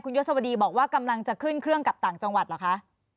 ยศวดีบอกว่ากำลังจะขึ้นเครื่องกลับต่างจังหวัดเหรอคะ